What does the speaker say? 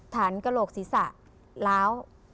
ฐานกระโหลกศีรษะล้าว